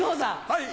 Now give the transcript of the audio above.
はい。